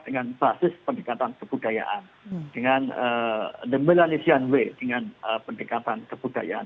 dengan basis pendekatan kebudayaan dengan the melanesian way dengan pendekatan kebudayaan